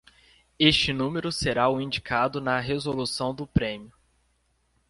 Este número será o indicado na resolução do prêmio.